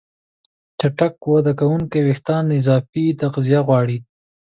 چټک وده کوونکي وېښتيان اضافي تغذیه غواړي.